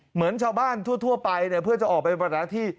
เหมือนชาวบ้านทั่วไปเนี่ยเพื่อจะออกไปประนาที่